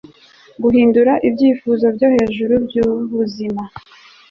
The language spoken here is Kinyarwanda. Guhindura ibyifuzo byo hejuru byubuzima